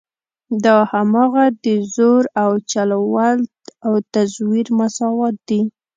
دا هماغه د زور او چل ول او تزویر مساوات دي.